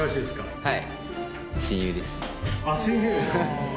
はい。